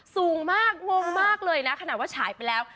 สูงมากงงมากเลยนะขนาดว่าฉายไปแล้ว